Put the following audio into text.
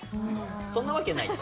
そんなわけないと。